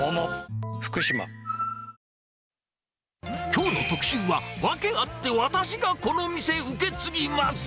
きょうの特集は、わけあって私がこの店受け継ぎます。